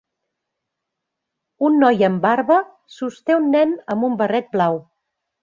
Un noi amb barba sosté un nen amb un barret blau.